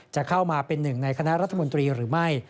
จะเข้ามาเป็นหนึ่งในคณะรัฐมนตรีหรือไม่